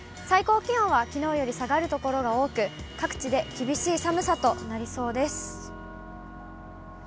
最高気温はきのうより下がる所が多く、各地で厳しい寒さとなりそうです。